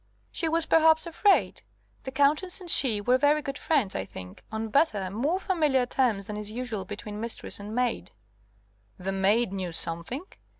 "She was perhaps afraid. The Countess and she were very good friends, I think. On better, more familiar terms, than is usual between mistress and maid." "The maid knew something?"